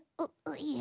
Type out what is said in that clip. いえ。